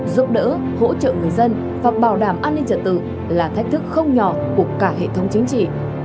giúp đỡ hỗ trợ người dân và bảo đảm an ninh trật tự là thách thức không nhỏ của cả hệ thống chính trị